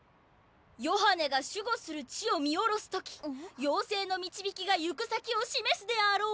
「ヨハネが守護する地を見下ろす時妖精の導きが行く先を示すであろう」。